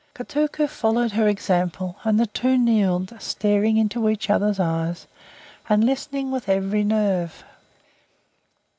Kotuko followed her example, and the two kneeled, staring into each other's eyes, and listening with every nerve.